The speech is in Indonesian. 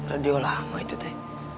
radio lama itu teh